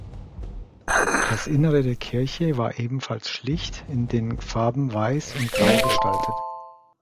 Das Innere der Kirche war ebenfalls schlicht in den Farben weiß und grau gestaltet.